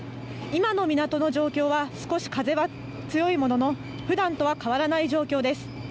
今の港の状況は、少し風は強いものの、ふだんとは変わらない状況です。